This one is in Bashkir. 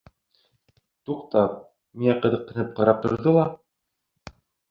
Туҡтап, миңә ҡыҙыҡһынып ҡарап торҙо ла: